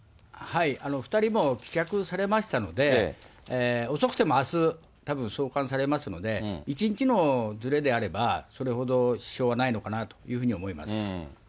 ２人も棄却されましたので、遅くてもあす、たぶん送還されますので、１日のずれであれば、それほど支障はないのかなというふうに思います。